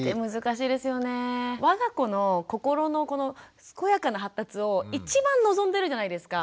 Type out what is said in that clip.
我が子の心のこの健やかな発達を一番望んでるじゃないですか。